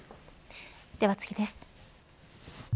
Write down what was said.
では次です。